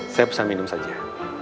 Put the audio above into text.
saya pesan minum saja